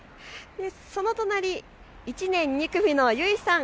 その隣、１年２組のゆいさん。